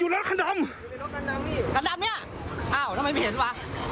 อยู่รถกันดำกันดำเนี้ยอ้าวทำไมไม่เห็นวะ